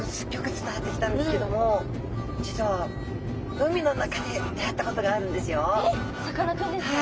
伝わってきたんですけども実はえっさかなクンですか？